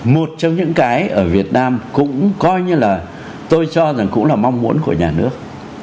một trong những cái ở việt nam cũng coi như là tôi cho rằng cũng là mong muốn của nhà nước